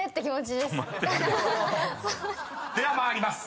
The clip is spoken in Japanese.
［では参ります。